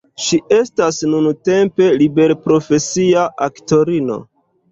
Ŝi estas nuntempe liberprofesia aktorino.